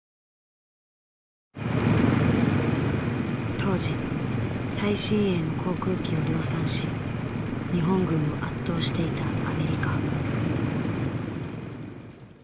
当時最新鋭の航空機を量産し日本軍を圧倒していたアメリカ。